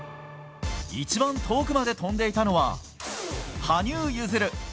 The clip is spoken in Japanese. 一番遠くまで跳んでいたのは羽生結弦。